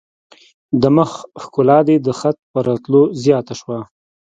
د مخ ښکلا دي د خط په راتلو زیاته شوه.